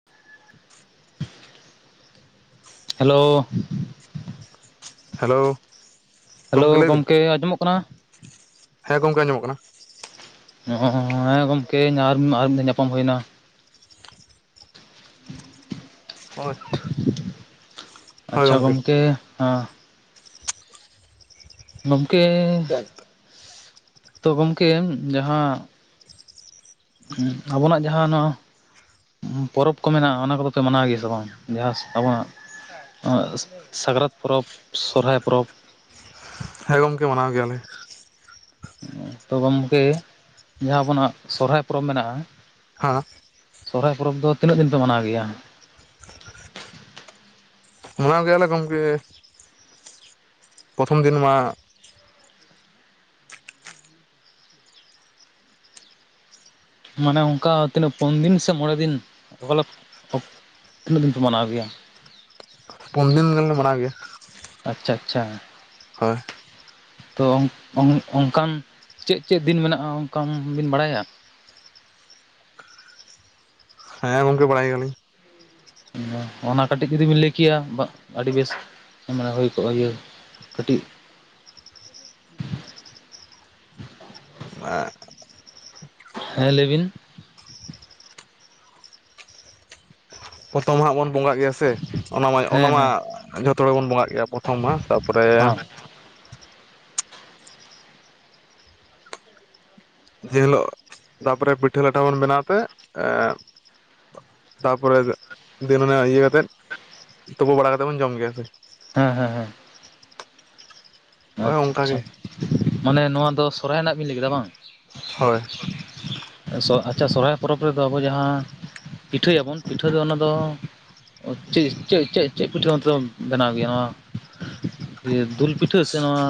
[inaudible] Hello hello hello ᱜᱚᱢᱠᱮ ᱞᱟᱹᱭ ᱵᱤᱱ ᱜᱚᱝᱠᱮ ᱟᱸᱡᱚᱢᱚᱜ ᱠᱟᱱᱟ? ᱦᱮᱸ ᱜᱚᱝᱠᱮ ᱟᱸᱡᱚᱢᱚᱜ ᱠᱟᱱᱟ᱾ ᱦᱚᱸᱻ ᱦᱮᱸ ᱜᱚᱝᱠᱮ ᱟᱨ ᱟᱨ ᱢᱤᱫ ᱫᱷᱟᱣ ᱧᱟᱯᱟᱢ ᱦᱩᱭᱮᱱᱟ᱾ ᱚ ᱟᱪᱪᱷᱟ ᱜᱚᱝᱠᱮ, ᱟᱸ ᱜᱚᱝᱠᱮ, ᱛᱚ ᱜᱚᱝᱠᱮ ᱡᱟᱦᱟᱸ ᱩᱸ ᱟᱵᱚᱱᱟᱜ ᱡᱟᱦᱟᱸ ᱱᱚᱣᱟ ᱚᱸ ᱯᱚᱨᱚᱵᱽ ᱠᱚ ᱢᱮᱱᱟᱜᱼᱟ ᱚᱱᱟ ᱠᱚᱫᱚ ᱯᱮ ᱢᱟᱱᱟᱣ ᱜᱮᱭᱟ ᱥᱮ ᱵᱟᱝ ᱡᱟᱦᱟᱸᱥ ᱟᱵᱚᱱᱟᱜ? ᱟᱸᱜ ᱥᱟᱠᱨᱟᱛ ᱯᱚᱨᱚᱵᱽ, ᱥᱚᱨᱦᱟᱭ ᱯᱚᱨᱚᱵᱽ᱾ ᱦᱮᱸ ᱜᱚᱝᱠᱮ ᱢᱟᱱᱟᱣ ᱜᱮᱭᱟᱞᱮ᱾ ᱛᱚ ᱜᱚᱝᱠᱮ, ᱡᱟᱦᱟᱸ ᱟᱵᱚᱱᱟᱜ ᱥᱚᱨᱦᱟᱭ ᱯᱚᱨᱚᱵᱽ ᱢᱮᱱᱟᱜᱼᱟ᱾ ᱦᱟᱸ ᱥᱚᱨᱦᱟᱭ ᱯᱚᱨᱚᱵᱽ ᱫᱚ ᱛᱤᱱᱟᱹᱜ ᱫᱤᱱ ᱯᱮ ᱢᱟᱱᱟᱣ ᱜᱮᱭᱟ? ᱢᱟᱱᱟᱣ ᱜᱮᱭᱟᱞᱮ ᱜᱚᱝᱠᱮ᱾ ᱯᱚᱛᱷᱚᱢ ᱫᱤᱱ ᱢᱟ ᱢᱟᱱᱮ ᱚᱝᱠᱟ ᱛᱤᱱᱟᱹᱜ ᱯᱩᱱ ᱫᱤᱱ ᱥᱮ ᱢᱚᱬᱮ ᱫᱤᱱ ᱵᱚᱞᱚᱠ ᱚᱠ ᱛᱤᱱᱟᱹᱜ ᱫᱤᱱ ᱯᱮ ᱢᱟᱱᱟᱣ ᱜᱮᱭᱟ? ᱯᱩᱱ ᱫᱤᱱ ᱜᱟᱱᱞᱮ ᱢᱟᱱᱟᱣ ᱜᱮᱭᱟ᱾ ᱟᱪᱪᱷᱟ ᱟᱪᱪᱷᱟ ᱦᱳᱭ ᱛᱚ ᱚᱝ ᱚᱝᱠᱟᱱ ᱪᱮᱜ ᱪᱮᱜ ᱫᱤᱱ ᱢᱮᱱᱟᱜᱼᱟ ᱚᱝᱠᱟᱱ ᱵᱤᱱ ᱵᱟᱲᱟᱭᱟ? ᱦᱮᱸ ᱜᱚᱝᱠᱮ ᱵᱟᱲᱟᱭ ᱜᱤᱭᱟ ᱞᱤᱧ᱾ ᱚᱱᱟ ᱠᱟᱹᱴᱤᱡ ᱡᱩᱫᱤᱵᱤᱱ ᱞᱟᱹᱭ ᱠᱮᱭᱟ ᱵᱟᱸ ᱟᱹᱰᱤ ᱵᱮ ᱢᱟᱱᱮ ᱦᱩᱭ ᱠᱚᱜᱼᱟ ᱤᱭᱟᱹ ᱠᱟᱹᱴᱤᱡ [inaudible] ᱦᱮᱸ ᱞᱟᱹᱭ ᱵᱤᱱ᱾ ᱯᱚᱛᱚᱢ ᱢᱟᱦᱟᱸᱜ ᱵᱚᱱ ᱵᱚᱸᱜᱟᱜ ᱜᱮᱭᱟ ᱥᱮ, ᱚᱱᱟ ᱢᱟ ᱚᱱᱟ ᱦᱮᱸ ᱢᱟ ᱦᱮᱸ ᱡᱷᱚᱛᱚ ᱦᱚᱲ ᱵᱚᱱ ᱵᱚᱸᱜᱟᱜ ᱜᱮᱭᱟ᱾ ᱯᱚᱛᱷᱚᱢ ᱢᱟ ᱛᱟᱯᱚᱨᱮ ᱦᱚᱸ ᱡᱮ ᱦᱤᱞᱳᱜ ᱛᱟᱯᱚᱨᱮ ᱯᱤᱴᱷᱟᱹ ᱞᱟᱴᱷᱟ ᱵᱚᱱ ᱵᱮᱱᱟᱣ ᱛᱮ ᱮᱸ ᱛᱟᱯᱚᱨᱮ ᱫᱤᱱᱢᱮ ᱤᱭᱟᱹ ᱠᱟᱛᱮᱫ ᱛᱩᱯᱩ ᱵᱟᱲᱟ ᱠᱟᱛᱮᱫ ᱵᱚᱱ ᱡᱚᱢ ᱜᱮᱭᱟ ᱥᱮ᱾ ᱦᱮᱸ ᱦᱮᱸ ᱦᱮᱸ ᱦᱳᱭ ᱚᱱᱠᱟ ᱟᱪᱪᱷᱟ ᱜᱮ ᱢᱟᱱᱮ ᱱᱚᱣᱟ ᱫᱚ ᱥᱚᱨᱦᱟᱭ ᱨᱮᱱᱟᱜ ᱵᱤᱱ ᱞᱟᱹᱭ ᱠᱮᱫᱟ ᱵᱟᱝ? ᱦᱳᱭ ᱮᱸ ᱥᱚ ᱟᱪᱪᱷᱟ ᱥᱚᱨᱦᱟᱭ ᱯᱚᱨᱚᱵᱽ ᱨᱮᱫᱚ ᱟᱵᱚ ᱡᱟᱦᱟᱸ ᱯᱤᱴᱷᱟᱹᱭᱟᱵᱚᱱ ᱯᱤᱴᱷᱟᱹ ᱫᱚ ᱚᱱᱟ ᱫᱚ ᱚᱸ ᱪᱮᱜ-ᱪᱮᱜ-ᱪᱮᱜ-ᱪᱮᱜ ᱯᱤᱴᱷᱟᱹ [unintelligible] ᱵᱮᱱᱟᱣ ᱜᱮᱭᱟ ᱱᱚᱣᱟ ᱫᱤᱭᱟᱹ ᱫᱩᱞ ᱯᱤ ᱴᱷᱟᱹ ᱥᱮ ᱱᱚᱣᱟ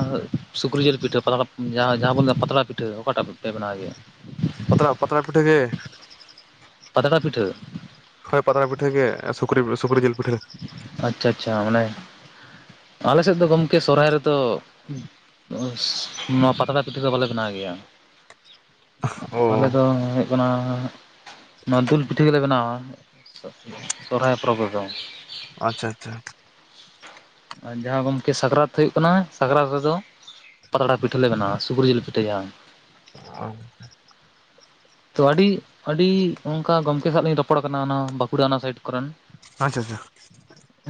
ᱥᱩᱠᱨᱤ ᱡᱤᱞ ᱯᱤᱴᱷᱟᱹ ᱯᱟᱛᱲᱟ ᱡᱟᱦᱟᱸ ᱢᱟᱦᱟᱸ ᱵᱚᱱ ᱞᱟᱹᱫᱟ ᱯᱟᱛᱲᱟ ᱯᱤᱴᱷᱟᱹ ᱚᱠᱟᱴᱟᱜ ᱯᱮ ᱵᱮᱱᱟᱣ ᱜᱮᱭᱟ? ᱯᱛᱲᱟ ᱯᱛᱲᱟ ᱯᱤᱴᱷᱟᱹ ᱜᱮ ᱾ ᱯᱟᱛᱲᱟ ᱯᱤᱴᱷᱟᱹ? ᱦᱳᱭ, ᱯᱟᱛᱲᱟ ᱯᱤᱴᱷᱟᱹ ᱜᱮ ᱟᱨ ᱥᱩᱠᱨᱤ ᱥᱩᱠᱨᱤ ᱡᱤᱞ ᱯᱤᱴᱷᱟᱹ ᱾ ᱟᱪᱪᱷᱟ ᱟᱪᱪᱷᱟ, ᱢᱟᱱᱮ ᱟᱞᱮ ᱥᱮᱫ ᱫᱚ ᱜᱚᱝᱠᱮ ᱥᱚᱨᱚᱦᱟᱭ ᱨᱮᱫᱚ [unintelligible] ᱱᱚᱣᱟ ᱯᱟᱛᱲᱟ ᱯᱤᱴᱷᱟᱹ ᱫᱚ ᱵᱟᱞᱮ ᱵᱮᱱᱟᱣ ᱜᱮᱭᱟ ᱾ ᱟᱞᱮ ᱚ ᱫᱚ ᱦᱩᱭᱩᱜ ᱠᱟᱱᱟ ᱱᱚᱣᱟ ᱫᱩᱞ ᱯᱤᱴᱷᱟᱹ ᱜᱮᱞᱮ ᱵᱮᱱᱟᱣᱟ ᱥᱚᱦᱨᱟᱭ ᱯᱚᱨᱚᱵᱽ ᱨᱮᱫᱚ ᱾ ᱟᱪᱪᱷᱟ ᱟᱪᱪᱷᱟ ᱾ ᱟᱨ ᱡᱟᱦᱟᱸ ᱜᱚᱢᱠᱮ ᱥᱟᱠᱨᱟᱛ ᱦᱩᱭᱩᱜ ᱠᱟᱱᱟ, ᱥᱟᱠᱨᱟᱛ ᱨᱮᱫᱚ ᱯᱟᱛᱲᱟ ᱯᱤᱴᱟᱹ ᱞᱮ ᱵᱮᱱᱟᱣᱟ, ᱥᱩᱠᱨᱤᱡᱤᱞ ᱯᱤᱴᱷᱟᱹ ᱡᱟᱦᱟ ᱾ ᱚ᱾ [inaudible] ᱛᱚ ᱟᱹᱰᱤ ᱟᱹᱰᱤ ᱚᱱᱠᱟ ᱜᱚᱝᱠᱮ ᱥᱟᱜ ᱞᱤᱧ ᱨᱚᱯᱚᱲ ᱠᱟᱱᱟ ᱚᱱᱟ ᱵᱟᱸᱠᱩᱲᱟ ᱚᱱᱟ ᱥᱟᱭᱤᱰ ᱠᱚᱨᱮᱱ‌᱾ ᱟᱪᱪᱷᱟ ᱟᱪᱪᱷᱟ ᱾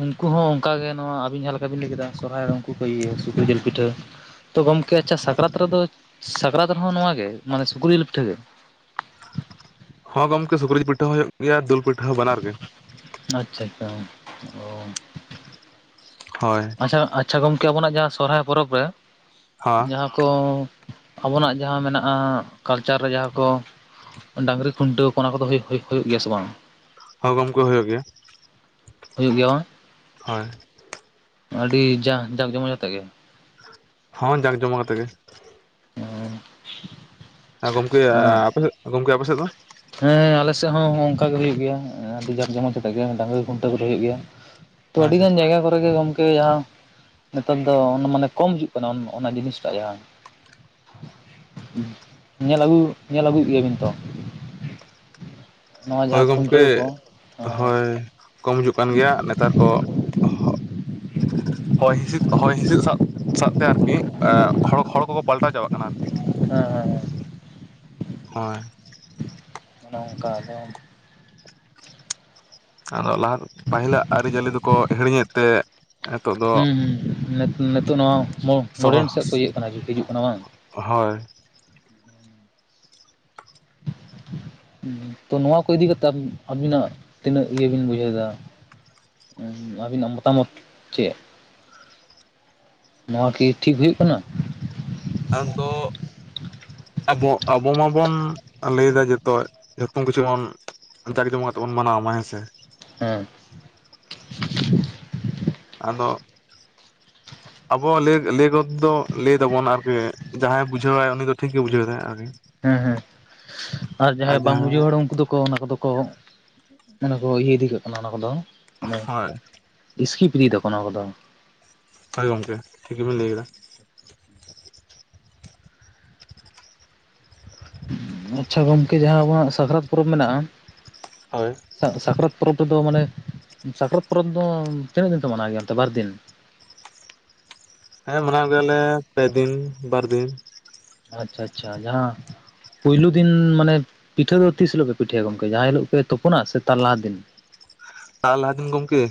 ᱩᱱᱠᱩ ᱦᱚᱸ ᱚᱱᱠᱟᱜᱮ ᱱᱚᱣᱟ ᱟᱹᱵᱤᱱ ᱡᱟᱦᱟᱸ ᱞᱮᱠᱟ ᱵᱤᱱ ᱞᱟᱹᱭ ᱠᱮᱫᱟ ᱥᱚᱨᱦᱟᱭ ᱨᱮ ᱩᱱᱠᱩ ᱦᱚᱸᱠᱚ ᱤᱭᱟᱹᱭᱟ ᱥᱩᱠᱨᱤ ᱡᱤᱞ ᱯᱤᱴᱷᱟᱹ ᱾ ᱛᱚ ᱜᱚᱝᱠᱮ ᱟᱪᱪᱷᱟ ᱥᱟᱠᱨᱟᱛ ᱨᱮᱫᱚ ᱥᱟᱠᱨᱟᱛ ᱨᱮᱦᱚᱸ ᱱᱚᱣᱟ ᱜᱮ ᱢᱟᱱᱮ ᱥᱩᱠᱨᱤᱡᱤᱞ ᱯᱤᱴᱷᱟᱹ ᱜᱮ? ᱦᱚᱸ ᱜᱚᱝᱠᱮ ᱥᱩᱠᱨᱤ ᱡᱤᱞ ᱯᱤᱴᱷᱟᱹ ᱦᱚᱸ ᱦᱩᱭᱩᱜ ᱜᱮᱭᱟ ᱫᱩᱞ ᱯᱤᱴᱷᱟᱹ ᱦᱚᱸ ᱵᱟᱱᱟᱨ ᱜᱮ ᱾ ᱟᱪᱪᱷᱟ ᱟᱪᱪᱷᱟ, ᱚ ᱾ ᱦᱚᱭ ᱾ ᱟᱪᱪᱷᱟ ᱟᱪᱪᱷᱟ ᱜᱚᱢᱠᱮ ᱟᱵᱚᱱᱟᱜ ᱡᱟᱦᱟᱸ ᱥᱚᱨᱦᱟᱭ ᱯᱚᱨᱚᱵᱽ ᱨᱮ ᱦᱚᱸ ᱡᱟᱦᱟᱸ ᱠᱚ ᱟᱵᱚᱱᱟᱜ ᱡᱟᱦᱟᱸ ᱢᱮᱱᱟᱜᱼᱟ, ᱠᱟᱞᱪᱟᱨ ᱨᱮ ᱡᱟᱦᱟᱸ ᱠᱚ ᱾ ᱰᱟᱹᱟᱝᱨᱤ ᱠᱷᱩᱱᱴᱟᱹᱣ ᱚᱱᱟ ᱠᱚᱫᱚ ᱦᱩᱭᱩᱜ ᱦᱩᱭᱩᱜ ᱜᱮᱭᱟ ᱥᱮ ᱵᱟᱝ? ᱦᱳᱭ ᱜᱚᱝᱠᱮ ᱦᱩᱭᱩᱜ ᱜᱮᱭᱟ ᱾ ᱦᱩᱭᱩᱜ ᱜᱮᱭᱟ ᱵᱟᱝ? ᱦᱳᱭ ᱾ ᱟᱹᱰᱤ ᱡᱟᱠ ᱡᱟᱠ ᱡᱚᱢᱚᱡ ᱟᱛᱮᱜ ᱜᱮ? ᱦᱚᱸ, ᱡᱟᱠ ᱡᱚᱢᱚᱠ ᱟᱛᱮᱜ ᱜᱮ ᱾ [unintelligible] ᱦᱮᱸ ᱜᱚᱝᱠᱮ, ᱟᱯᱮᱥᱮᱫ ᱜᱚᱝᱠᱮ ᱟᱯᱮ ᱥᱮᱫ ᱫᱚ? ᱦᱮᱸ ᱟᱞᱮ ᱥᱮᱫ ᱦᱚᱸ ᱚᱝᱠᱟ ᱜᱮ ᱦᱩᱭᱩᱜ ᱜᱮᱭᱟ ᱟᱹᱰᱤ ᱡᱟᱠ ᱡᱚᱢᱚᱡᱽ ᱠᱟᱛᱮᱜ ᱜᱮ ᱰᱟᱝᱨᱤ ᱠᱷᱩᱱᱴᱟᱹ ᱠᱚ ᱫᱚ ᱦᱩᱭᱩᱜ ᱜᱮᱭᱟ ᱾ ᱛᱚ ᱟᱹᱰᱤ ᱟᱪᱪᱷᱟ ᱜᱟᱱ ᱡᱟᱭᱜᱟ ᱠᱚᱨᱮᱜ ᱜᱮ ᱜᱚᱝᱠᱮ ᱡᱟᱦᱟᱸ ᱱᱮᱛᱟᱨ ᱫᱚ ᱢᱟᱱᱮ ᱠᱚᱢ ᱦᱤᱡᱩ ᱠᱟᱱᱟ ᱚᱱᱟ ᱡᱤᱱᱤᱥᱴᱟᱜ ᱡᱟᱦᱟᱸ᱾ ᱧᱮᱞ ᱟᱹᱜᱩ ᱧᱮᱞ ᱟᱹᱜᱩᱭᱮᱫ ᱜᱮᱭᱟᱵᱤᱱ ᱛᱚ? ᱱᱚᱣᱟ ᱦᱳᱭ ᱡᱟᱦᱟᱸ ᱜᱚᱢᱠᱮ ᱠᱷᱩᱱᱴᱟᱹᱣ ᱠᱚ ᱦᱳᱭ ᱠᱚᱢ ᱦᱤᱡᱩᱜ ᱠᱟᱱ ᱜᱮᱭᱟ ᱱᱮᱛᱟᱨ ᱠᱚ [unintelligible] ᱦᱚᱸ᱾ ᱦᱚᱭ ᱦᱤᱸᱥᱤᱫ ᱦᱚᱭ ᱦᱤᱸᱥᱤᱫ ᱥᱟᱵ ᱥᱟᱵᱛᱮ ᱟᱨᱠᱤ ᱦᱚᱲ ᱦᱚᱲ ᱠᱚᱠᱚ ᱯᱟᱞᱴᱟᱣ ᱪᱟᱵᱟᱜ ᱠᱟᱱᱟ ᱟᱨᱠᱤ ᱾ ᱦᱮᱸ ᱾ ᱦᱚᱭ ᱾ ᱚᱱᱮ ᱚᱱᱠᱟ ᱟᱫᱚ ᱟᱫᱚ ᱞᱟᱦᱟ, ᱯᱟᱦᱤᱞᱟᱜ ᱟᱹᱨᱤᱪᱟᱹᱞᱤ ᱫᱚᱠᱚ ᱦᱤᱲᱤᱧᱮᱫ ᱛᱮ ᱱᱤᱛᱚᱜ ᱫᱚ ᱦᱩᱸ ᱦᱩᱸ ᱱᱤᱛ ᱱᱤᱛᱚᱜ ᱱᱚᱣᱟ ᱢᱟᱹ ᱥᱚᱦᱚ ᱢᱟᱹᱲᱟᱹᱱ ᱥᱮᱫ ᱛᱮ ᱤᱭᱟᱹᱜ ᱠᱟᱱᱟ ᱵᱤᱥᱤ ᱦᱤᱡᱩᱜ ᱠᱟᱱᱟ ᱵᱟᱝ? ᱦᱳᱭ ᱾ [inaudible] ᱛᱚ ᱱᱚᱶᱟ ᱠᱚ ᱤᱫᱤ ᱠᱟᱛᱮᱜ ᱟᱵᱤᱱ ᱟᱵᱤᱱᱟᱜ ᱛᱤᱱᱟᱹᱜ ᱤᱭᱟᱹ ᱵᱤᱱ ᱵᱩᱡᱷᱟᱹᱣ ᱮᱫᱟ? ᱟᱹᱵᱤᱱᱟᱜ ᱢᱚᱛᱟᱢᱚᱛ ᱪᱮᱫ? ᱱᱚᱶᱟ ᱠᱤ ᱴᱷᱤᱠ ᱦᱩᱭᱩᱜ ᱠᱟᱱᱟ? ᱟᱢᱫᱚ ᱟᱵᱚ ᱟᱵᱚ ᱢᱟᱵᱚᱱ ᱞᱟᱹᱭᱮᱫᱟ ᱡᱚᱛᱚ ᱡᱚᱛᱚ ᱠᱤᱪᱷᱩ ᱵᱚᱱ ᱡᱟᱠ ᱡᱚᱢᱚᱠ ᱟᱛᱮᱫ ᱵᱚᱱ ᱢᱟᱱᱟᱣᱢᱟ ᱦᱮᱸ ᱥᱮ? ᱦᱮᱸ। ᱟᱫᱚ ᱟᱵᱚᱣᱟᱜ ᱞᱟᱹᱭ ᱞᱟᱹᱭ ᱜᱚᱫ ᱫᱚ ᱞᱟᱹᱭ ᱫᱟᱵᱚᱱ ᱟᱨᱠᱤ ᱡᱟᱦᱟᱸᱭᱮ ᱵᱩᱡᱷᱟᱹᱣᱟᱭ ᱩᱱᱤ ᱫᱚ ᱴᱷᱤᱠ ᱜᱮᱭ ᱵᱩᱡᱷᱟᱹᱣᱫᱟᱭ ᱟᱨᱠᱤ᱾ ᱦᱮᱸ ᱦᱮᱸ, ᱟᱨ ᱡᱟᱦᱟᱸᱭ ᱵᱟᱝ ᱵᱩᱡᱷᱟᱹᱣ ᱦᱚᱲ ᱩᱱᱠᱩ ᱫᱚᱠᱚ ᱚᱱᱟ ᱠᱚᱫᱚ ᱠᱚ ᱢᱟᱱᱮ ᱠᱚ ᱤᱭᱟᱹ ᱤᱫᱤ ᱠᱟᱜ ᱠᱟᱱᱟ ᱚᱱᱟ ᱠᱚᱫᱚ ᱢᱟᱱᱮ ᱦᱳᱭ ᱤᱥᱠᱤᱯ ᱤᱫᱤ ᱮᱫᱟ ᱠᱚ ᱚᱱᱟ ᱠᱚᱫᱚ᱾ ᱦᱳᱭ ᱜᱚᱝᱠᱮ ᱴᱷᱤᱠ ᱜᱮᱵᱤᱱ ᱞᱟᱹᱭᱮᱫᱟ᱾ ᱟᱪᱪᱷᱟ ᱜᱚᱢᱠᱮ ᱡᱟᱦᱟᱸ ᱟᱵᱚᱱᱟᱜ ᱥᱟᱠᱨᱟᱛ ᱯᱚᱨᱚᱵᱽ ᱢᱮᱱᱟᱜᱼᱟ᱾ ᱦᱳᱭ᱾ ᱥᱟ ᱥᱟᱠᱨᱟᱛ ᱯᱚᱨᱚᱵᱽ ᱨᱮᱫᱚ ᱢᱟᱱᱮ ᱥᱟᱠᱨᱟᱛ ᱯᱚᱨᱚᱵᱽ ᱫᱚ ᱛᱤᱱᱟᱹᱜ ᱫᱤᱱ ᱯᱮ ᱢᱟᱱᱟᱣ ᱜᱮᱭᱟ ᱚᱱᱛᱮ ᱵᱟᱨ ᱫᱤᱱ? ᱦᱮᱸ, ᱢᱟᱱᱟᱣ ᱜᱮᱭᱟᱞᱮ ᱯᱮ ᱫᱤᱱ ᱵᱟᱨ ᱫᱤᱱ। ᱟᱪᱪᱷᱟ ᱟᱪᱪᱷᱟ ᱡᱟᱦᱟᱸ ᱯᱳᱭᱞᱩ ᱫᱤᱱ ᱢᱟᱱᱮ ᱯᱤᱴᱷᱟᱹ ᱫᱚ ᱛᱤᱥ ᱦᱤᱞᱳᱜ ᱯᱮ ᱯᱤᱴᱷᱟᱹᱭᱟ ᱜᱚᱢᱠᱮ ᱡᱟᱦᱟᱸ ᱦᱤᱞᱳᱜ ᱯᱮ ᱛᱳᱯᱳᱱᱟ ᱥᱮ ᱛᱟᱨ ᱞᱟᱦᱟ ᱫᱤᱱ? ᱛᱟᱨ ᱞᱟᱦᱟ ᱫᱤᱱ ᱜᱚᱝᱠᱮ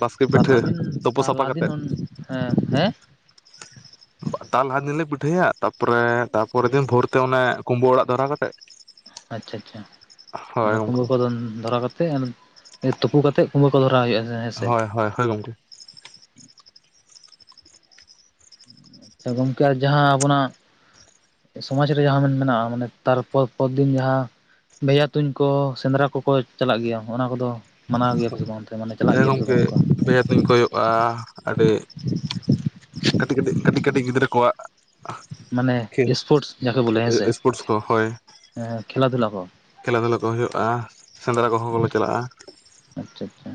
ᱵᱟᱥᱠᱮ ᱛᱟᱨ ᱯᱤᱴᱷᱟᱹ ᱞᱟᱦᱟ ᱫᱤᱱ ᱛᱳᱯᱳ ᱛᱟᱨ ᱥᱟᱯᱷᱟ ᱞᱟᱦᱟ ᱫᱤᱱ ᱠᱟᱛᱮᱫ᱾ ᱚᱱ ᱦᱮᱸ, ᱦᱮᱸ? ᱛᱟᱨ ᱞᱟᱦᱟ ᱫᱤᱱᱞᱮ ᱯᱤᱴᱷᱟᱹᱭᱟ ᱛᱟᱨᱯᱚᱨᱮ ᱛᱟᱨᱯᱚᱨᱮᱨ ᱫᱤᱱ ᱵᱷᱳᱨᱛᱮ ᱚᱱᱮ ᱠᱩᱢᱵᱟᱹ ᱚᱲᱟᱜ ᱫᱷᱚᱨᱟᱣ ᱠᱟᱛᱮᱫ। ᱟᱪᱪᱷᱟ ᱪᱪᱪᱷᱟ ᱦᱳᱭ ᱢᱟᱱᱮ ᱠᱩᱢᱵᱟᱹ ᱜᱚᱢᱠᱮ ᱠᱚ ᱫᱷᱚᱨᱟᱣ ᱠᱟᱛᱮᱫ ᱟᱨ ᱛᱩᱯᱩ ᱠᱟᱛᱮᱫ ᱠᱩᱸᱵᱟᱹ ᱠᱚ ᱫᱷᱚᱨᱟᱣ ᱦᱩᱭᱩᱜᱼᱟ, ᱦᱮᱸ ᱥᱮ? ᱦᱳᱭ ᱦᱳᱭ ᱜᱚᱝᱠᱮ ᱾ ᱜᱚᱝᱠᱮ ᱟᱨ ᱡᱟᱦᱟᱸ ᱟᱵᱚᱱᱟᱜ ᱥᱚᱢᱟᱡᱽ ᱨᱮᱭᱟᱜ ᱦᱚᱸ ᱵᱚᱱ ᱢᱟᱱᱟᱣᱟ ᱢᱟᱱᱮ ᱛᱟᱨᱯᱚᱨ ᱫᱤᱱ ᱡᱟᱦᱟᱸ ᱵᱷᱮᱡᱟ ᱛᱩᱧ ᱠᱚ ᱥᱮᱸᱫᱽᱨᱟ ᱠᱚᱠᱚ ᱪᱟᱞᱟᱜ ᱜᱮᱭᱟ, ᱚᱱᱟ ᱠᱚᱫᱚ ᱢᱟᱱᱟᱣ ᱜᱮᱭᱟᱯᱮ ᱥᱮ ᱵᱟᱝ ᱚᱱᱛᱮ ᱢᱟᱱᱮ ᱪᱟᱞᱟᱜ ᱜᱮᱭᱟ ᱯᱮ ᱥᱮ ᱵᱟᱝ? ᱵᱷᱮᱡᱟ ᱛᱩᱧ ᱠᱚ ᱦᱩᱭᱩᱜᱼᱟ ᱟᱹᱰᱤ ᱠᱟᱹᱴᱤᱡ ᱠᱟᱹᱴᱤᱡ ᱠᱟᱹᱴᱤᱡ ᱠᱟᱹᱴᱤᱡ ᱜᱤᱫᱽᱨᱟᱹ ᱠᱚᱣᱟᱜ᱾ ᱢᱟᱱᱮ ᱥᱯᱳᱴᱥ ᱡᱟᱠᱮ ᱵᱚᱞᱮ ᱦᱮ ᱥᱮᱸ ᱥᱯᱳᱨᱴᱥ ᱠᱚ ᱦᱳᱭ ᱠᱷᱮᱞᱟ ᱫᱷᱩᱞᱟ ᱠᱚ᱾ ᱠᱷᱮᱞᱟ ᱫᱷᱩᱞᱟ ᱠᱚ ᱦᱩᱭᱩᱜᱼᱟ, ᱥᱮᱸᱫᱽᱨᱟ ᱠᱚᱦᱚᱸ ᱞᱮ ᱪᱟᱞᱟᱜᱼᱟ᱾ ᱟᱪᱪᱷᱟ ᱟᱪᱪᱷᱟ᱾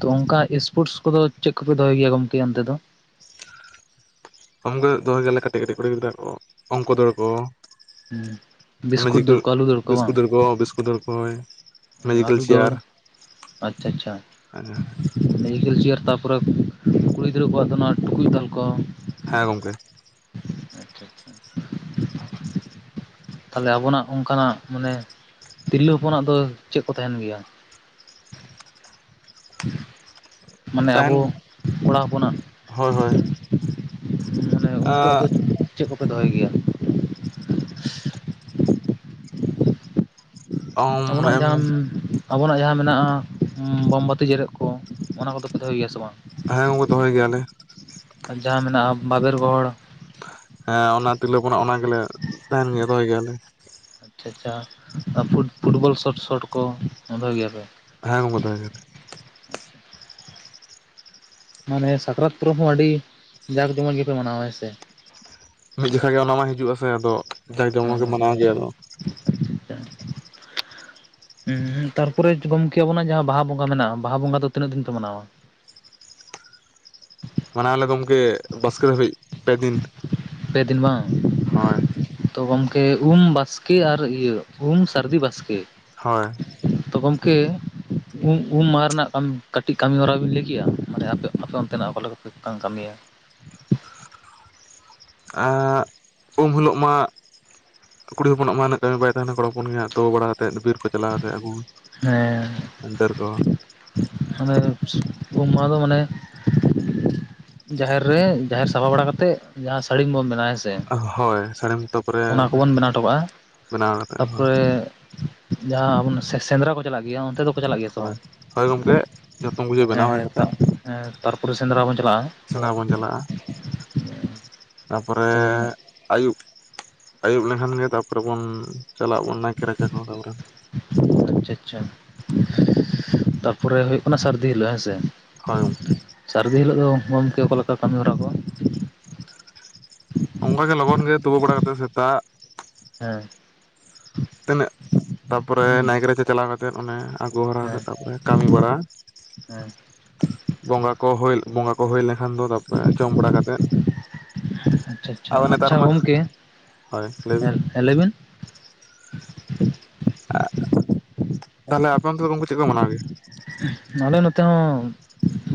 ᱛᱚ ᱚᱱᱠᱟ ᱥᱯᱳᱴᱥ ᱠᱚᱫᱚ ᱪᱮᱫ ᱠᱚᱯᱮ ᱫᱚᱦᱚᱭ ᱜᱮᱭᱟ ᱜᱚᱝᱠᱮ ᱚᱱᱛᱮ ᱫᱚ? ᱠᱚᱢ ᱜᱮ ᱫᱚᱦᱚᱭ ᱜᱮᱭᱟᱞᱮ ᱠᱟᱹᱴᱤᱡ ᱠᱟᱹᱴᱤᱡ ᱠᱩᱲᱤ ᱜᱤᱫᱽᱨᱟᱹᱣᱟᱜ ᱠᱚ ᱚᱝᱠᱚ ᱫᱚ ᱠᱚ ᱵᱤᱥᱠᱩᱴ ᱫᱟᱹᱲ ᱠᱚ ᱟᱹᱞᱩ [unintelligible] ᱵᱤᱥᱠᱩᱴ ᱫᱟᱹᱲ ᱠᱚ ᱵᱤᱥᱠᱩᱴ ᱫᱟᱹᱲ ᱠᱚᱭ᱾ ᱟᱞᱩ ᱫᱟᱹᱲ, ᱟᱪᱪᱷᱟ ᱟᱪᱪᱷᱟ᱾ ᱢᱮᱡᱤᱠᱮᱞ ᱪᱮᱭᱟᱨ ᱛᱟᱯᱚᱨᱮ ᱠᱩᱲᱤ ᱜᱤᱫᱽᱨᱟᱹ ᱠᱚᱣᱟᱜ ᱫᱚ ᱱᱚᱣᱟ ᱴᱩᱠᱩᱡ ᱫᱟᱞ ᱠᱚ᱾ ᱦᱮᱸ ᱜᱚᱝᱠᱮ᱾ ᱟᱪᱪᱷᱟ ᱟᱪᱪᱷᱟ ᱛᱟᱦᱚᱞᱮ ᱟᱵᱚᱱᱟᱜ ᱚᱝᱠᱟᱱᱟᱜ ᱢᱟᱱᱮ ᱛᱤᱨᱞᱟᱹ ᱦᱚᱯᱚᱱᱟᱜ ᱫᱚ ᱪᱮᱜ ᱠᱚ ᱛᱟᱦᱮᱸᱱ ᱜᱮᱭᱟ? ᱢᱟᱱᱮ ᱛᱟᱦᱮᱱ ᱟᱵᱚ ᱠᱚᱲᱟ ᱦᱚᱯᱚᱱᱟᱜ? ᱦᱳᱭ ᱦᱳᱭ ᱢᱟᱱᱮ ᱩᱱᱠᱩᱣᱟᱜ ᱫᱚ ᱪᱮᱜ ᱠᱚᱯᱮ ᱫᱚᱦᱚᱭ ᱜᱮᱭᱟ? ᱟᱵᱚᱱᱟᱜ ᱮᱢ ᱡᱟᱦᱟᱸ [unintelligible] ᱟᱵᱚᱱᱟᱜ ᱡᱟᱦᱟᱸ ᱢᱮᱱᱟᱜᱼᱟ ᱵᱚᱢᱵᱟᱛᱤ ᱡᱮᱨᱮᱫ ᱠᱚ ᱚᱱᱟ ᱠᱚᱫᱚ ᱯᱮ ᱫᱚᱦᱚᱭ ᱜᱮᱭᱟ ᱥᱮ ᱵᱟᱝ? ᱦᱮᱸ ᱜᱚᱝᱠᱮ ᱫᱚᱦᱚᱭ ᱜᱮᱭᱟᱞᱮ᱾ ᱟᱨ ᱡᱟᱦᱟᱸ ᱢᱮᱱᱟᱜᱼᱟ ᱵᱟᱵᱮᱨ ᱜᱚᱦᱚᱲ᱾ ᱦᱮᱸ ᱚᱱᱟ ᱛᱤᱨᱞᱟᱹᱯᱚᱱᱟᱜ ᱚᱱᱟ ᱜᱮᱞᱮ ᱛᱟᱦᱮᱱ ᱜᱮᱭᱟ ᱫᱚᱦᱚᱭ ᱜᱮᱭᱟᱞᱮ᱾ ᱟᱪᱪᱷᱟ ᱟᱪᱪᱷᱟ ᱟ ᱯᱷᱩᱴᱵᱚᱞ ᱥᱚᱴ ᱥᱚᱴ ᱠᱚ ᱫᱚᱦᱚᱭ ᱜᱮᱭᱟᱯᱮ? ᱦᱮᱸ ᱜᱚᱝᱠᱮ ᱫᱚᱦᱚᱭ ᱜᱮᱭᱟ ᱞᱮ᱾ ᱢᱟᱱᱮ ᱥᱟᱠᱨᱟᱛ ᱯᱚᱨᱚᱵ ᱦᱚᱸ ᱟᱹᱰᱤ ᱡᱟᱠ ᱡᱚᱢᱚᱠ ᱜᱮᱯᱮ ᱢᱟᱱᱟᱣᱟ ᱦᱮᱸᱥᱮ? ᱢᱤᱫ ᱡᱚᱠᱷᱚᱡ ᱜᱮ ᱚᱱᱟ ᱢᱟ ᱦᱤᱡᱩᱜ ᱟᱥᱮ ᱟᱫᱚ ᱡᱟᱠ ᱡᱚᱢᱚᱜ ᱜᱮ ᱢᱟᱱᱟᱣ ᱜᱮᱭᱟ, ᱟᱫᱚ [inaudible] ᱩᱸ ᱛᱟᱨᱯᱚᱨᱮ ᱜᱚᱝᱠᱮ ᱟᱵᱚᱱᱟᱜ ᱡᱟᱸᱦᱟᱸ ᱵᱟᱦᱟ ᱵᱚᱸᱜᱟ ᱢᱮᱱᱟᱜᱼᱟ ᱵᱟᱦᱟ ᱵᱚᱸᱜᱟ ᱫᱚ ᱛᱤᱱᱟᱹᱜ ᱫᱤᱱ ᱯᱮ ᱢᱟᱱᱟᱣᱟ? ᱢᱟᱱᱟᱣ ᱟᱞᱮ ᱜᱚᱢᱠᱮ ᱵᱟᱥᱠᱮᱹ ᱫᱷᱟᱹᱵᱤᱡ ᱯᱮ ᱫᱤᱱ ᱯᱮ ᱫᱤᱱ ᱢᱟ ᱦᱳᱭ ᱛᱚ ᱜᱚᱢᱠᱮ ᱩᱢ ᱵᱟᱥᱠᱮ ᱟᱨ ᱤᱭᱟᱹ ᱩᱢ, ᱥᱟᱹᱨᱫᱤ, ᱵᱟᱥᱠᱮ, ᱦᱚᱭ᱾ ᱛᱚ ᱜᱚᱢᱠᱮ ᱩᱢ ᱩᱢ ᱢᱟᱦᱟ ᱨᱮᱱᱟᱜ ᱠᱟᱢ ᱠᱟᱹᱴᱤᱡ ᱠᱟᱹᱢᱤ ᱦᱚᱨᱟ ᱵᱤᱱ ᱞᱟᱹᱭ ᱠᱮᱭᱟ ᱢᱟᱱᱮ ᱟᱯᱮ ᱟᱯᱮ ᱚᱱᱛᱮᱱᱟᱜ ᱚᱠᱟ ᱞᱮᱠᱟ ᱯᱮ ᱪᱮᱜ ᱠᱟᱝ ᱠᱟᱢᱤᱭᱟ? ᱟᱸᱜ ᱩᱢ ᱦᱤᱞᱚᱜ ᱢᱟ ᱠᱩᱲᱤ ᱦᱚᱯᱚᱱᱟᱜ ᱢᱟ ᱩᱱᱟᱹᱜ ᱠᱟᱹᱢᱤ ᱵᱟᱭ ᱛᱟᱦᱮᱸᱱᱟ ᱠᱚᱲᱟ ᱦᱚᱯᱚᱱ ᱜᱮᱦᱟᱸᱜ ᱛᱳᱯᱳ ᱵᱟᱲᱟ ᱠᱟᱛᱮᱫ ᱵᱤᱨ ᱠᱚ ᱪᱟᱞᱟᱣ ᱠᱟᱛᱮᱫ ᱟᱜᱩ ᱦᱮᱸ ᱰᱟᱹᱨ ᱠᱚ, ᱢᱟᱱᱮ [inaudible] ᱩᱢ ᱢᱟᱦᱟ ᱫᱚ ᱢᱟᱱᱮ ᱡᱟᱦᱮᱨ ᱨᱮ ᱡᱟᱦᱮᱨ ᱥᱟᱯᱷᱟ ᱵᱟᱲᱟ ᱠᱟᱛᱮᱜ ᱡᱟᱦᱟᱸ ᱥᱟᱲᱤᱢ ᱵᱚᱱ ᱵᱮᱱᱟᱣᱟ ᱦᱮᱸᱥᱮ, ᱦᱳᱭ ᱥᱟᱲᱤᱢ ᱛᱟᱯᱚᱨᱮ ᱵᱮᱱᱟᱣ ᱦᱚᱴᱚ ᱠᱟᱜᱼᱟ ᱵᱮᱱᱟᱣ ᱠᱟᱛᱮᱜ ᱦᱳᱭ, ᱡᱟᱸᱦᱟᱸ ᱟᱵᱩᱱ ᱥᱮ ᱥᱮᱸᱫᱽᱨᱟ ᱠᱚ ᱪᱟᱞᱟᱜ ᱜᱮᱭᱟ ᱚᱱᱛᱮ ᱫᱚ ᱠᱚ ᱪᱟᱞᱟᱜ ᱜᱮᱭᱟ ᱥᱮ ᱦᱳᱭ ᱵᱟᱝ? ᱦᱳᱭ ᱜᱚᱢᱠᱮ ᱡᱚᱛᱚᱢ ᱵᱩᱡᱷᱟᱹᱣ ᱦᱮᱸ ᱵᱮᱱᱟᱣ ᱦᱩᱭ ᱦᱮᱸ ᱠᱟᱛᱮᱫ ᱛᱟᱨᱯᱚᱨᱮ ᱥᱮᱸᱫᱽᱨᱟ ᱵᱚᱱ ᱪᱟᱞᱟᱜᱼᱟ, ᱥᱮᱸᱫᱽᱨᱟ ᱵᱚᱱ ᱪᱟᱞᱟᱜᱼᱟ, ᱛᱟᱯᱚᱨᱮ ᱛᱚ ᱟᱭᱩᱵ ᱟᱹᱭᱩᱵ ᱞᱮᱠᱷᱟᱱ ᱜᱮ ᱛᱟᱯᱚᱨᱮ ᱵᱚᱱ ᱪᱟᱞᱟᱜ ᱵᱚᱱ ᱱᱟᱭᱠᱮ ᱨᱟᱪᱟ ᱠᱚ ᱛᱟᱯᱚᱨᱮ ᱟᱪᱪᱷᱟ ᱟᱪᱪᱷᱟ ᱛᱟᱯᱚᱨᱮ ᱦᱩᱭᱩᱜ ᱠᱟᱱᱟ ᱥᱟᱹᱨᱫᱤ ᱦᱤᱞᱳᱜ ᱦᱮᱸᱥᱮ? ᱦᱳᱭ ᱜᱚᱢ ᱥᱟᱨᱫᱤ ᱦᱤᱞᱳᱜ ᱫᱚ ᱜᱚᱝᱠᱮ ᱚᱠᱟ ᱞᱮᱠᱟ ᱠᱟᱢᱤ ᱦᱚᱨᱟ? ᱠᱚ ᱚᱝᱠᱟ ᱜᱮ ᱞᱚᱜᱚᱱ ᱜᱮ ᱛᱩᱯᱩ ᱵᱟᱲᱟ ᱠᱟᱛᱮ ᱥᱮᱛᱟᱜ ᱦᱮᱸ᱾ ᱛᱤᱱᱟᱹᱜ ᱛᱟᱯᱚᱨᱮ ᱱᱟᱭᱠᱮ ᱦᱮᱸ ᱨᱟᱪᱟ ᱪᱟᱞᱟᱣ ᱠᱟᱛᱮᱫ ᱚᱱᱮ ᱟᱜᱩ ᱦᱚᱨᱟ ᱠᱟᱛᱮ ᱛᱟᱯᱚᱨᱮ ᱠᱟᱢᱤ ᱵᱟᱲᱟ, ᱦᱮᱸ ᱵᱚᱸᱜᱟ ᱠᱚ ᱦᱳᱭ ᱵᱚᱸᱜᱟ ᱠᱚ ᱦᱩᱭ ᱞᱮᱱᱠᱷᱟᱱ ᱛᱟ ᱡᱚᱢ ᱵᱟᱲᱟ ᱠᱟᱛᱮᱫ ᱟᱪᱪᱷᱟ ᱟᱪᱪᱷᱟ ᱟᱨᱚ ᱱᱮᱛᱟᱨ ᱟᱪᱪᱷᱟ ᱢᱟ ᱜᱚᱢᱠᱮ ᱦᱳᱭ ᱞᱟᱹᱭᱵᱤᱱ᱾ ᱦᱮᱸ ᱞᱟᱹᱭ ᱵᱤᱱ᱾ ᱛᱟᱦᱞᱮ ᱟᱯᱮ ᱚᱱᱛᱮ ᱫᱚ ᱜᱚᱝᱠᱮ ᱪᱮᱫ ᱠᱚ ᱢᱟᱱᱟᱣ ᱜᱮᱭᱟ? ᱟᱞᱮ ᱱᱚᱛᱮ ᱦᱚᱸ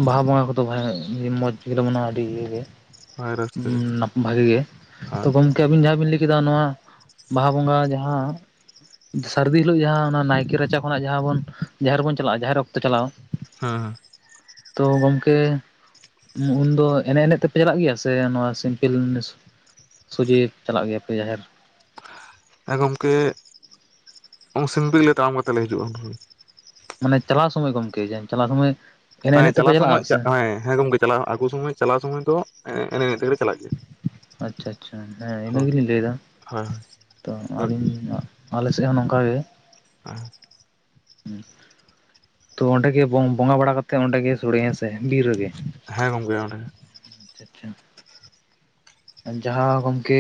ᱵᱟᱦᱟ ᱵᱚᱸᱜᱟ ᱠᱚᱫᱚ ᱟᱹᱰᱤ ᱢᱚᱸᱡ ᱜᱮᱞᱮ ᱢᱟᱱᱟᱣ ᱟᱹᱰᱤ ᱤᱭᱟᱹ ᱜᱮ᱾ ᱦᱳᱭ ᱨᱟᱹᱥᱠᱟᱹ ᱩᱸ ᱱᱟᱯ ᱵᱷᱟᱜᱮ ᱜᱮ ᱛᱚ ᱦᱳᱭ ᱜᱚᱝ ᱠᱮ ᱟᱵᱤᱱ ᱡᱟᱸᱦᱟᱸ ᱵᱤᱱ ᱞᱟᱹᱭ ᱠᱮᱫᱟ ᱱᱚᱣᱟ ᱵᱟᱦᱟ ᱵᱚᱸᱜᱟ ᱡᱟᱦᱟᱸ ᱥᱟᱹᱨᱫᱤ ᱦᱤᱞᱳᱜ ᱡᱟᱦᱟᱸ ᱚᱱᱟ ᱱᱟᱭᱠᱮ ᱨᱟᱪᱟ ᱠᱷᱚᱱᱟᱜ ᱡᱟᱦᱟᱸ ᱵᱚᱱ ᱡᱟᱦᱮᱨ ᱵᱚᱱ ᱪᱟᱞᱟᱜᱼᱟ, ᱡᱟᱦᱮᱨ ᱚᱠᱛᱚ ᱪᱟᱞᱟᱣ ᱦᱩᱸ ᱦᱩᱸ᱾ ᱛᱚ ᱜᱚᱢᱠᱮ ᱩᱱᱫᱚ ᱮᱱᱮᱡ ᱮᱱᱮᱡ ᱛᱮᱯᱮ ᱪᱟᱞᱟᱜ ᱜᱮᱭᱟ ᱥᱮ ᱱᱚᱣᱟ ᱥᱤᱢᱯᱮᱞ ᱡᱤᱱᱤᱥ ᱥᱳᱡᱷᱮ ᱪᱟᱞᱟᱜ ᱜᱮᱭᱟᱯᱮ ᱡᱟᱦᱮᱨ? ᱦᱮᱸ ᱜᱚᱢᱠᱮ ᱚᱝ ᱥᱤᱢᱯᱮᱹᱞ ᱞᱮ ᱛᱟᱲᱟᱢ ᱠᱟᱛᱮ ᱞᱮ ᱦᱤᱡᱩᱜᱼᱟ ᱩᱱ ᱥᱚᱢᱚᱭ᱾ ᱢᱟᱱᱮ ᱪᱟᱞᱟᱣ ᱥᱚᱢᱚᱭ ᱜᱚᱢᱠᱮ ᱡᱟᱦᱮᱨ ᱪᱟᱞᱟᱣ ᱥᱚᱢᱚᱭ᱾ ᱮᱱᱮᱡ ᱦᱮᱸ ᱮᱱᱮᱡ ᱛᱮᱯᱮ ᱪᱟᱞᱟᱣ ᱥᱚᱢᱚᱭ ᱪᱟᱞᱟᱜᱼᱟ ᱥᱮ ᱪᱟᱜ ᱦᱮᱸ ᱦᱮᱸ ᱜᱚᱝᱠᱮ ᱪᱟᱞᱟᱣ ᱟᱜᱩ ᱥᱚᱢᱚᱭ ᱪᱟᱞᱟᱣ ᱥᱚᱢᱚᱭ ᱫᱚ ᱮᱱᱮᱡ ᱮᱱᱮᱡ ᱛᱮᱜᱮ ᱞᱮ ᱟᱪᱪᱷᱟ ᱟᱪᱪᱷᱟ ᱦᱮᱸ ᱦᱳᱭ ᱤᱱᱟᱹ ᱜᱮᱞᱤᱧ ᱞᱟᱹᱭᱫᱟ ᱦᱳᱭ ᱾ ᱛᱚ ᱟᱹᱞᱤᱧ, ᱟᱞᱮ ᱥᱮᱜ ᱦᱚᱸ ᱱᱚᱝᱠᱟ ᱜᱮ ᱾ ᱦ [unintelligible] ᱦᱩ [unintelligible] ᱸ ᱛᱚ ᱚᱸᱰᱮ ᱜᱮ ᱵᱚᱝ ᱵᱚᱸᱜᱟ ᱵᱟᱲᱟ ᱠᱟᱛᱮᱜ, ᱚᱸᱰᱮ ᱜᱮ ᱥᱳᱲᱮᱹ ᱦᱮᱸ ᱥᱮ ᱵᱤᱨ ᱨᱮᱜᱮ ᱾ ᱦᱮᱸ ᱠᱟᱱ ᱜᱮᱭᱟ ᱾ ᱪᱮᱫᱼᱼ ᱡᱟᱦᱟ ᱜᱚᱢᱠᱮ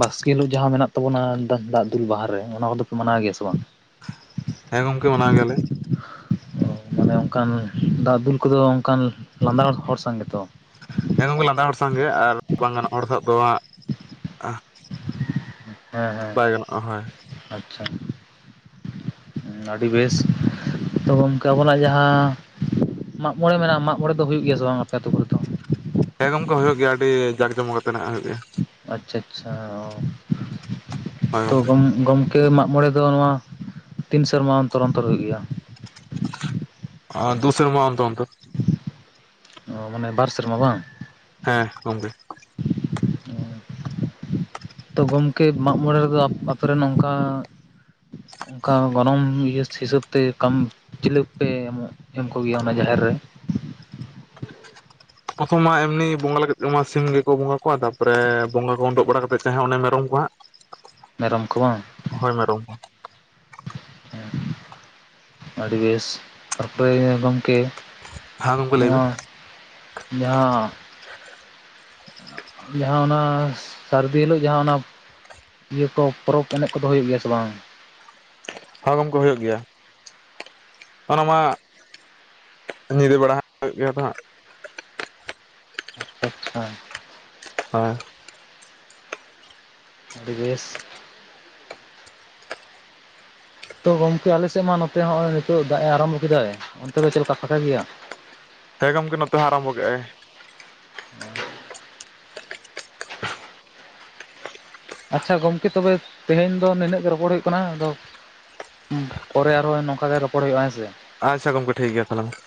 ᱵᱟᱥᱠᱮ ᱦᱤᱞᱳᱜ ᱡᱟᱦᱟᱸ ᱢᱮᱱᱟᱜ ᱛᱟᱵᱚᱱᱟ ᱫᱟᱜ ᱫᱩᱞ ᱵᱟᱦᱟ ᱨᱮ ᱚᱱᱟ ᱠᱚᱫᱚ ᱯᱮ ᱢᱟᱱᱟᱣ ᱜᱮᱭᱟ ᱥᱮ ᱵᱟᱝ? ᱦᱮᱸ ᱜᱚᱝᱠᱮ ᱢᱟᱱᱟᱣ ᱜᱮᱭᱟ ᱞᱮ ᱾ ᱢᱟᱱᱮ ᱚᱱᱠᱟᱱ ᱫᱟᱜ ᱫᱩᱞ ᱠᱚᱫᱚ ᱚᱱᱠᱟᱱ ᱞᱟᱸᱫᱟ ᱦᱚᱲ ᱥᱟᱶ ᱜᱮᱛᱚ ᱾ ᱦᱮᱸ ᱜᱚᱝᱠᱮ ᱞᱟᱸᱫᱟ ᱦᱚᱲ ᱥᱟᱶᱜ ᱜᱮ ᱟᱨ ᱵᱟᱝ ᱜᱟᱱᱚᱜ ᱦᱚᱲ ᱥᱟᱶ ᱫᱚᱣᱟᱜ ᱦᱮᱸ ᱦᱮᱸ ᱵᱟᱭ ᱜᱟᱱᱚᱜᱼᱟ ᱦᱳᱭ ᱾ ᱟᱪᱪᱷᱟ ᱾ ᱟᱹᱰᱤ ᱵᱮᱥ ᱛᱚ ᱜᱚᱢᱠᱮ ᱟᱵᱤᱱᱟᱜ ᱡᱟᱦᱟ ᱢᱟᱜ ᱢᱚᱬᱮ ᱢᱮᱱᱟᱜᱼᱟ ᱢᱟᱜ ᱢᱚᱬᱮ ᱫᱚ ᱦᱩᱭᱩᱜ ᱜᱤᱭᱟ ᱥᱮ ᱵᱟᱝ ᱟᱯᱮ ᱟᱛᱩ ᱠᱚᱨᱮ ᱫᱚ? ᱦᱮᱸ ᱜᱚᱢᱠᱮ ᱦᱩᱭᱩᱜ ᱜᱮᱭᱟ ᱟᱹᱰᱤ ᱡᱟᱠ ᱡᱚᱢᱚᱠ ᱟᱛᱮ ᱱᱟᱜ ᱦᱩᱭᱩᱜ ᱜᱮᱭᱟ ᱾ ᱟᱪᱪᱷᱟ ᱟᱪᱪᱷᱟ ᱦᱳᱭ ᱛᱚ ᱛᱚ ᱜᱚᱝᱠᱮ ᱜᱚᱢ ᱜᱚᱢ ᱟᱯᱮ ᱢᱟᱜ ᱢᱚᱬᱮ ᱫᱚ ᱱᱚᱣᱟ ᱛᱤᱱ ᱥᱮᱨᱢᱟ ᱚᱱᱛᱚᱨ ᱚᱱᱛᱚᱨ ᱦᱩᱭᱩᱜ ᱜᱮᱭᱟ? ᱟᱨ ᱫᱩᱥᱮᱨᱢᱟ ᱚᱱᱛᱮᱨ ᱚᱱᱛᱮᱨ ᱾ ᱚ ᱢᱟᱱᱮ ᱵᱟᱨ ᱥᱮᱨᱢᱟ ᱵᱟᱝ? ᱦᱮᱸ ᱜᱚᱝᱠᱮ ᱾ ᱛᱚ ᱜᱚᱝᱠᱮ ᱢᱟᱜ ᱢᱚᱬᱮ ᱨᱮᱫᱚ ᱟᱯᱮ ᱨᱮᱱ ᱱᱚᱝᱠᱟ ᱚᱱᱠᱟ ᱜᱚᱱᱚᱝ ᱤᱭᱟᱹ ᱦᱤᱥᱟᱹᱵ ᱛᱮ ᱠᱟᱢ ᱪᱤᱞᱟᱹᱠ ᱯᱮ ᱮᱢᱚᱜ ᱮᱢ ᱠᱚᱜᱮᱭᱟ ᱚᱱᱟ ᱡᱟᱦᱮᱨ ᱨᱮ? ᱯᱨᱚᱛᱷᱚᱢ ᱢᱟ ᱮᱢᱱᱤ ᱵᱚᱸᱜᱟ ᱞᱟᱹᱜᱤᱫ ᱛᱮ ᱢᱟ ᱥᱤᱢ ᱜᱮᱠᱚ ᱵᱚᱸᱜᱟ ᱠᱚᱣᱟ, ᱛᱟᱨᱯᱚᱨᱮ ᱵᱚᱸᱜᱟ ᱠᱚ ᱩᱰᱩᱠ ᱵᱟᱲᱟ ᱠᱟᱛᱮᱫ ᱡᱟᱦᱟᱸ ᱢᱮᱨᱚᱢ ᱠᱚ ᱦᱟᱸᱜ ᱢᱮᱨᱚᱢ ᱠᱚ ᱵᱟᱝ? ᱦᱳᱭ ᱢᱮᱨᱚᱢ ᱠᱚ ᱦᱮᱸᱼᱼ ᱟᱹᱰᱤ ᱵᱮᱥ. ᱛᱟᱨᱯᱚᱨᱮ ᱜᱚᱢᱠᱮ ᱦᱮᱸ ᱜᱚᱢᱠᱮ ᱞᱟᱹᱭ ᱱᱚᱣᱟ ᱵᱤᱱ ᱡᱟᱦᱟᱸ ᱡᱟᱦᱟᱸ ᱚᱱᱟ ᱥᱟᱹᱨᱫᱤ ᱦᱤᱞᱟᱹᱜ ᱡᱟᱦᱟᱸ ᱚᱱᱟ ᱤᱭᱟᱹ ᱠᱚ ᱯᱚᱨᱚᱵᱽ ᱮᱱᱮᱡ ᱠᱚᱫᱚ ᱦᱩᱭᱩᱜ ᱜᱮᱭᱟ ᱥᱮ ᱵᱟᱝ? ᱦᱮᱸ ᱜᱚᱢᱠᱮ ᱦᱩᱭᱩᱜ ᱜᱮᱭᱟ ᱾ ᱚᱱᱟ ᱢᱟ ᱱᱤᱡᱮ ᱵᱟᱲᱟ ᱦᱚᱸ ᱦᱩᱭᱩᱜ ᱜᱮᱭᱟ ᱛᱟᱦᱮᱫ ᱾ ᱟᱪᱪᱷᱟ ᱾ ᱦᱮᱸ ᱟᱹᱵᱤ ᱵᱮᱥ ᱾ ᱛᱚ ᱜᱚᱝᱠᱮ ᱟᱞᱮᱥᱮᱫ ᱢᱟ ᱱᱚᱛᱮ ᱱᱚᱜᱼᱚᱭ ᱱᱤᱛᱚᱜ ᱫᱟᱜ ᱮ ᱟᱨᱟᱢᱵᱷᱚ ᱠᱮᱫᱟᱭ, ᱚᱱᱛᱮ ᱫᱚ ᱪᱮᱫ ᱞᱮᱠᱟ ᱯᱷᱟᱸᱠᱟ ᱜᱮᱭᱟ? ᱛᱚ ᱜᱚᱢᱠᱮ ᱱᱚᱛᱮ ᱦᱚᱭ ᱟᱨᱟᱢᱵᱷᱚ ᱠᱮᱫᱼᱟᱭ ᱾ ᱟᱪᱪᱷᱟ ᱜᱚᱝᱠᱮ ᱛᱚᱵᱮ, ᱛᱮᱦᱮᱧ ᱫᱚ ᱱᱤᱱᱟᱹᱜ ᱜᱮ ᱨᱚᱯᱚᱲ ᱦᱩᱭᱩᱜ ᱠᱟᱱᱟ ᱟᱫᱚᱼᱼ ᱯᱚᱨᱮ ᱟᱨᱦᱚᱸ ᱱᱚᱝᱠᱟ ᱜᱮ ᱨᱚᱯᱚᱲ ᱦᱩᱭᱩᱜᱼᱟ ᱦᱮᱸ ᱥᱮ ᱾ ᱟᱪᱪᱷᱟ ᱜᱚᱢᱠᱮ ᱴᱷᱤᱠ ᱜᱮᱭᱟ ᱛᱟᱦᱚᱞᱮ ᱢᱟ ᱾